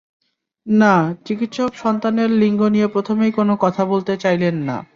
না, চিকিৎসক সন্তানের লিঙ্গ নিয়ে প্রথমেই কোনো কথা বলতে চাইলেন না।